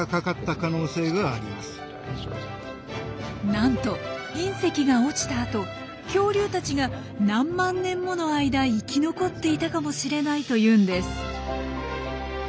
なんと隕石が落ちた後恐竜たちが何万年もの間生き残っていたかもしれないというんです。